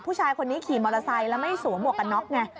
ผู้ชายคนนี้ขี่มอเตอร์ไซค์แล้วไม่สวมหวกกันน็อกไง